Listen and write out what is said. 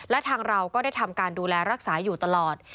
และทางเราก็ได้ทำการดูแลรักษาอยู่ตลอด